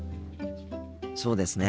そうですね。